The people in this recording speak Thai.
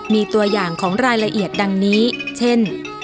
มีตัวอย่างของรายละเอียดดังนี้เช่น